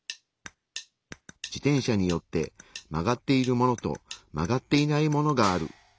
自転車によって曲がっているものと曲がっていないものがある。